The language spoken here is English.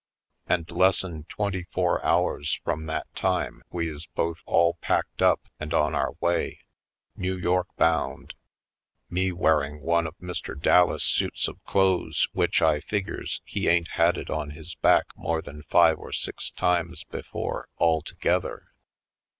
And lessen twenty four hours from that time we is both all packed up and on our way, New York bound, me wearing one of Mr. Dallas' suits of clothes which I figures he ain't had it on his back more than five or six times before altogether.